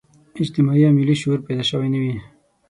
اجتماعي او ملي شعور پیدا شوی نه وي.